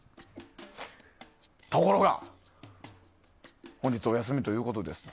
ところが本日お休みということです。